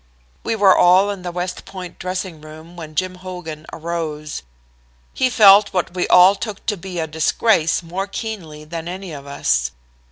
We were all in the West Point dressing room when Jim Hogan arose. He felt what we all took to be a disgrace more keenly than any of us.